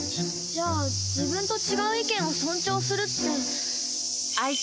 じゃあ自分と違う意見を尊重するって。